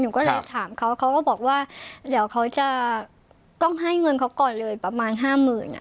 หนูก็เลยถามเขาเขาก็บอกว่าเดี๋ยวเขาจะต้องให้เงินเขาก่อนเลยประมาณห้าหมื่นอ่ะ